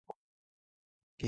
キーボード